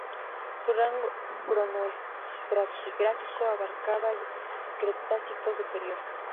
Su rango cronoestratigráfico abarcaba el Cretácico superior.